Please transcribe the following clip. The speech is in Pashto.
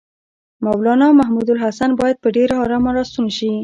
مولنا محمودالحسن باید په ډېره آرامه راستون شي.